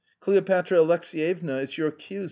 " Cleopatra Alexeyevna your cue!